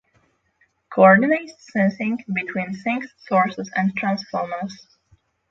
coordinates syncing between sinks, sources and transformers